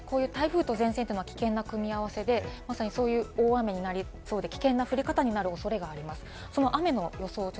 台風と前線は危険な組み合わせで、そういう大雨になりそうで、危険な降り方になる恐れがあります。